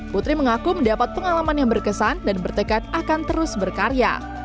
putri mengaku mendapat pengalaman yang berkesan dan bertekad akan terus berkarya